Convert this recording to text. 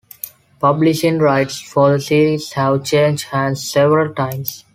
Publishing rights for the series have changed hands several times.